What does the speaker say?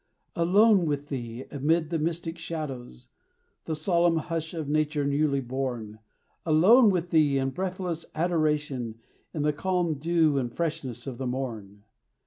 Alone with thee, amid the mystic shadows, The solemn hush of nature newly born; Alone with thee in breathless adoration, In the calm dew and freshness of the morn.